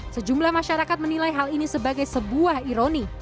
sejumlah masyarakat menilai hal ini sebagai sebuah ironi